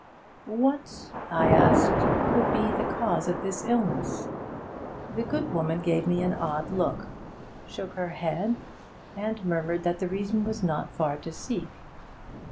"' 'What,' I asked, 'could be the cause of this illness?' The good woman gave me an odd look, shook her head, and murmured that the reason was not far to seek.